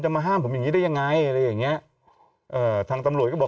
มาห้ามผมอย่างงี้ได้ยังไงอะไรอย่างเงี้ยเอ่อทางตำรวจก็บอก